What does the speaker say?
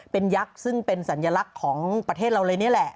เป็นยักษ์ซึ่งเป็นสัญลักษณ์ของประเทศเราเลยนี่แหละ